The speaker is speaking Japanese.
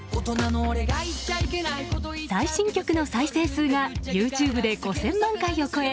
最新曲の再生数がＹｏｕＴｕｂｅで５０００万回を超え